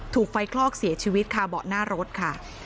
ถูกไฟคลอกเสียชีวิตค่ะเบาะหน้ารถค่ะ